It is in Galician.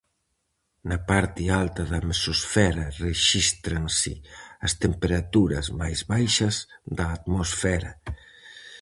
Na parte alta da mesosfera rexístranse as temperaturas máis baixas da atmosfera.